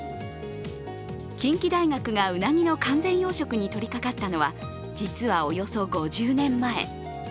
近畿大学がうなぎの完全養殖に取りかかったのは実はおよそ５０年前。